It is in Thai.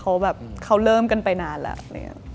เขาแบบเขาเริ่มกันไปนานแล้ว